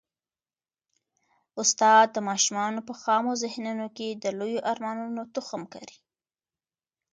استاد د ماشومانو په خامو ذهنونو کي د لویو ارمانونو تخم کري.